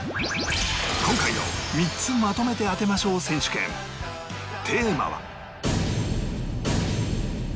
今回の３つまとめて当てましょう選手権テーマは